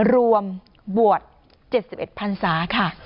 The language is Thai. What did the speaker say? รวมบวช๗๑พันธุ์สาค่ะ